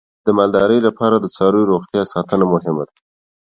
د مالدارۍ لپاره د څارویو روغتیا ساتنه مهمه ده.